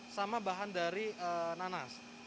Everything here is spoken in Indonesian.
sama bahan dari nanas